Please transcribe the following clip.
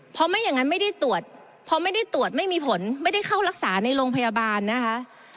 เพราะไม่อย่างนั้นไม่ได้ตรวจพอไม่ได้ตรวจไม่มีผลไม่ได้เข้ารักษาในโรงพยาบาลนะคะ